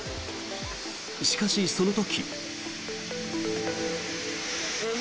しかし、その時。